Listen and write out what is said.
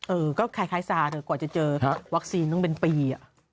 เออก็คล้ายสาหร่าที่จะเจอวัคซีนต้องเป็นปีอ่ะ